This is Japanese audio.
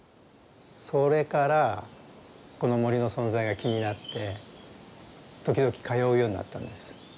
それからこの森の存在が気になって時々通うようになったんです。